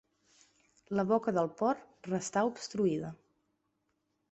La boca del port restà obstruïda.